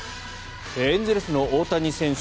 エンゼルスの大谷選手